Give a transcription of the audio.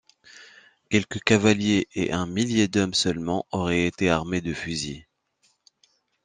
Quelques cavaliers et un millier d'hommes seulement auraient été armés de fusils.